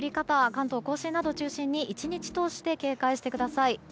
関東・甲信などを中心に１日通して警戒してください。